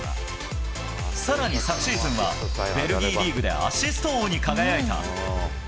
さらに昨シーズンは、ベルギーリーグでアシスト王に輝いた。